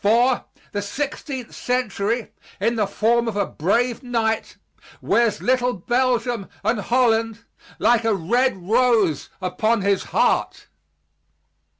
For, the Sixteenth Century, in the form of a brave knight, wears little Belgium and Holland like a red rose upon his heart.